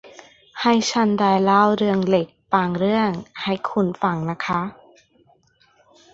ให้ฉันได้เล่าเรื่องเล็กบางเรื่องให้คุณฟังนะคะ